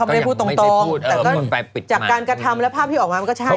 เอิ่มเขาไม่ได้พูดตรงแต่จากการกระทำผี้ออกมาก็ใช่